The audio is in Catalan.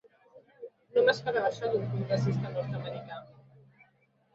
No m’esperava això d’un congressista nord-americà!